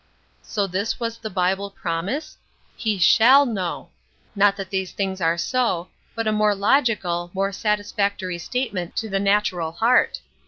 So this was the Bible promise? "He shall know." Not that these things are so, but a more logical, more satisfactory statement to the natural heart.